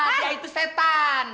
dia itu setan